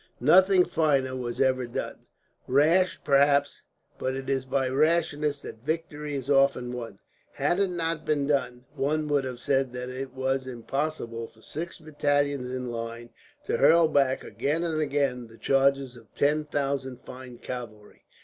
Nothing finer was ever done. Rash, perhaps; but it is by rashness that victory is often won. Had it not been done, one would have said that it was impossible for six battalions in line to hurl back, again and again, the charges of ten thousand fine cavalry.